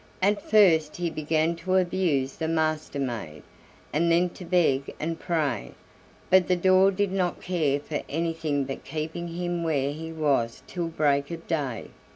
At first he began to abuse the Master maid, and then to beg and pray, but the door did not care for anything but keeping him where he was till break of day.